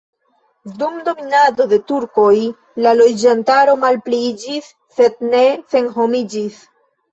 Dum dominado de turkoj la loĝantaro malpliiĝis sed ne senhomiĝis.